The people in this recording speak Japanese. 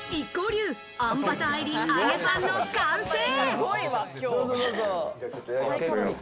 流あんバター入り揚げパンの完成。